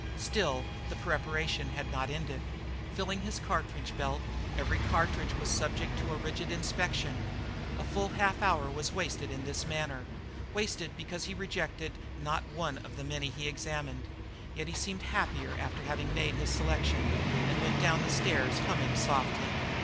Still the preparation had not ended. Filling his cartridge belt, every cartridge was subject to a rigid inspection. A full half hour was wasted in this manner. Wasted, because he rejected not one of the many he examined. Yet he seemed happier after having made his selection, and went down the stairs, humming softly.